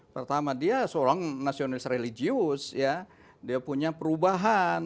pertama dia seorang nasionalis religius dia punya perubahan